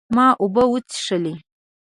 ما اوبه وڅښلې